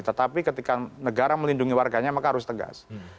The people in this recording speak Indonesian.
tetapi ketika negara melindungi warganya maka harus tegas